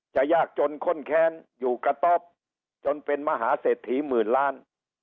ยากจนข้นแค้นอยู่กระต๊อบจนเป็นมหาเศรษฐีหมื่นล้าน